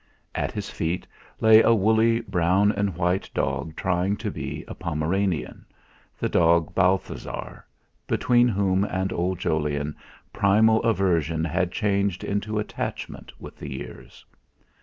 At his feet lay a woolly brown and white dog trying to be a Pomeranian the dog Balthasar between whom and old Jolyon primal aversion had changed into attachment with the years.